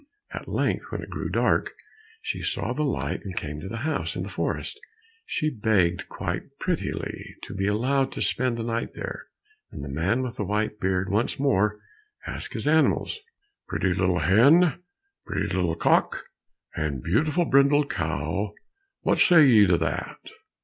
At length when it grew dark, she saw the light and came to the house in the forest. She begged quite prettily to be allowed to spend the night there, and the man with the white beard once more asked his animals, "Pretty little hen, Pretty little cock, And beautiful brindled cow, What say ye to that?"